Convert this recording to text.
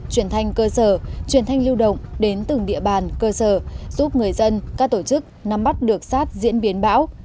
truyền thanh cơ sở truyền thanh lưu động đến từng địa bàn cơ sở giúp người dân các tổ chức nắm bắt được sát diễn biến bão